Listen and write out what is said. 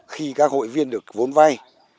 khi các hội viên được vốn vay